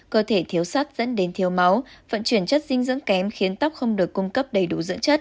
cơ thể thiếu sắt dẫn đến thiếu máu vận chuyển chất dinh dưỡng kém khiến tóc không được cung cấp đầy đủ dưỡng chất